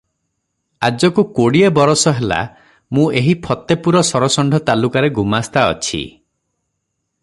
ଆଜକୁ କୋଡ଼ିଏ ବରଷ ହେଲା ମୁଁ ଏହି ଫତେପୁର ସରଷଣ୍ଢ ତାଲୁକାରେ ଗୁମାସ୍ତା ଅଛି ।